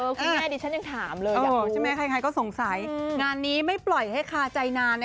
คุณแม่ดิฉันยังถามเลยอยากรู้ใช่ไหมใครก็สงสัยงานนี้ไม่ปล่อยให้คาใจนานนะ